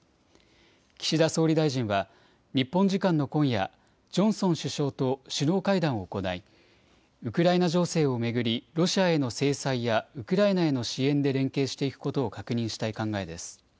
岸田総理大臣は、日本時間の今夜、ジョンソン首相と首脳会談を行い、ウクライナ情勢を巡り、ロシアへの制裁やウクライナへの支援で連携していくことを確認したい考えです。